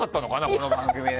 この番組。